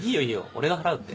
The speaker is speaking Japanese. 俺が払うって。